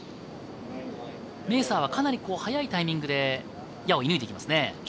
メーサーはかなり早いタイミングで矢を射抜いてきますね。